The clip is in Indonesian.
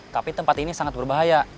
tapi tempat ini sangat berbahaya